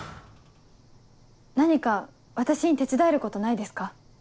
何か私に手伝えることないですか？